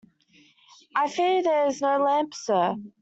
I fear there is no lamp, sir.